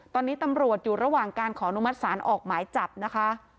ตอนนี้ตำรวจอยู่ระหว่างการขอนุมัติศาลออกหมายจับนะคะ